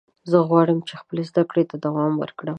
زه غواړم چې خپلې زده کړې دوام ورکړم.